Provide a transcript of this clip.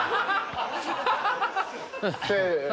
せの。